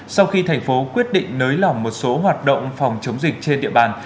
sau khi thành phố quyết định nới lỏng một số hoạt động phòng chống dịch trên địa bàn